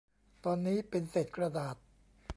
ตอนนี้เป็นเศษกระดาษ